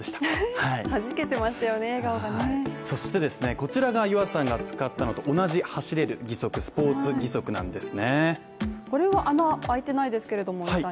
こちらが夢和さんが使ったのと同じ走れる義足スポーツ義足なんですね